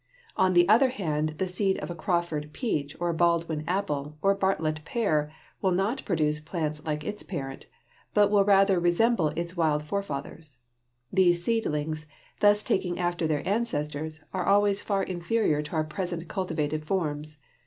On the other hand the seed of a Crawford peach or a Baldwin apple or a Bartlett pear will not produce plants like its parent, but will rather resemble its wild forefathers. These seedlings, thus taking after their ancestors, are always far inferior to our present cultivated forms.